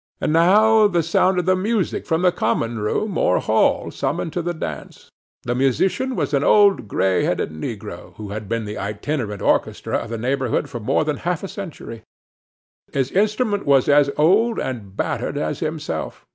And now the sound of the music from the common room, or hall, summoned to the dance. The musician was an old gray headed negro, who had been the itinerant orchestra of the neighborhood for more than half a century. His instrument was as old and battered as himself.